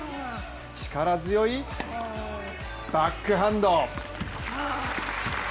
力強いバックハンド。